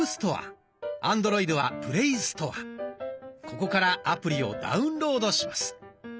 ここからアプリをダウンロードします。